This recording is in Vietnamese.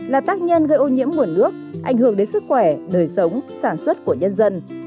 là tác nhân gây ô nhiễm nguồn nước ảnh hưởng đến sức khỏe đời sống sản xuất của nhân dân